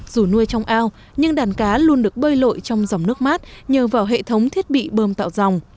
dù nuôi trong ao nhưng đàn cá luôn được bơi lội trong dòng nước mát nhờ vào hệ thống thiết bị bơm tạo dòng